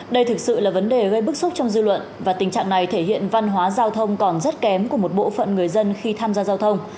đây thực sự là vấn đề gây bức xúc trong dư luận và tình trạng này thể hiện văn hóa giao thông còn rất kém của một bộ phận người dân khi tham gia giao thông